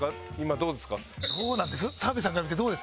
どうなんです？